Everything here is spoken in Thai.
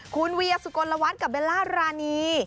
คุณเวียสุกลวัฒน์กับเบลล่ารานี